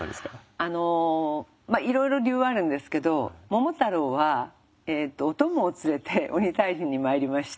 あのいろいろ理由はあるんですけど桃太郎はお供を連れて鬼退治に参りました。